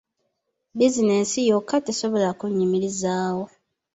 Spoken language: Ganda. Bizinensi yokka tesobola kunnyimirizaawo.